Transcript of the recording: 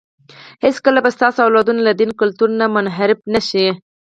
هېڅکله به ستاسو اولادونه له دین او کلتور نه منحرف نه شي.